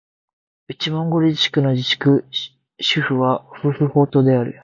内モンゴル自治区の自治区首府はフフホトである